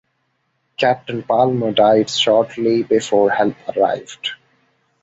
Captain Palmer died shortly before help arrived.